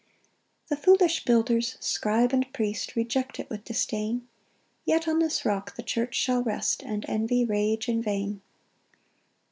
3 The foolish builders, scribe and priest, Reject it with disdain; Yet on this rock the church shall rest, And envy rage in vain.